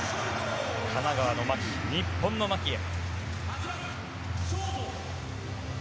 神奈川の牧が日本の牧へ。